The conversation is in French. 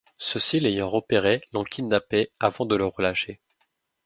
Ceux-ci l'ayant repéré l'ont kidnappé avant de le relâcher.